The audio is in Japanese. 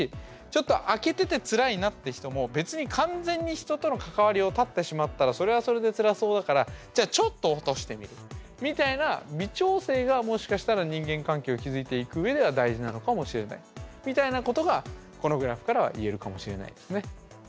ちょっとあけててつらいなって人も別に完全に人との関わりを断ってしまったらそれはそれでつらそうだからじゃあちょっと落としてみるみたいな微調整がもしかしたら人間関係を築いていくうえでは大事なのかもしれないみたいなことがこのグラフからは言えるかもしれないですね。